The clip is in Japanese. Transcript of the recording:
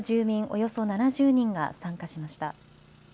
およそ７０人が参加しました。